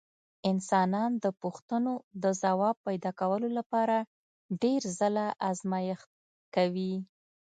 انسانان د پوښتنو د ځواب پیدا کولو لپاره ډېر ځله ازمېښت کوي.